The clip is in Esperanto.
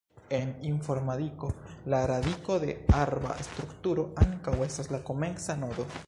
En informadiko, la radiko de arba strukturo ankaŭ estas la komenca nodo.